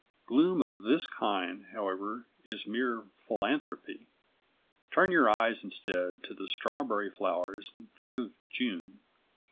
Gloom of this kind, however, is mere philanthropy. Turn your eyes, instead, to the strawberry flowers and think of June.